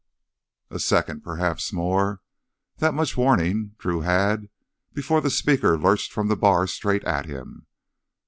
A second, perhaps more—that much warning Drew had before the speaker lurched from the bar straight for him.